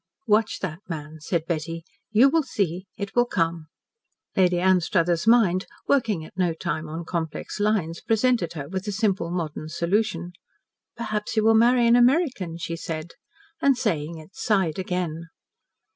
"Watch that man," said Betty; "you will see. It will come." Lady Anstruthers' mind, working at no time on complex lines, presented her with a simple modern solution. "Perhaps he will marry an American," she said, and saying it, sighed again.